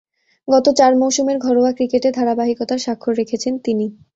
গত চার মৌসুমের ঘরোয়া ক্রিকেটে ধারাবাহিকতার স্বাক্ষর রেখেছেন তিনি।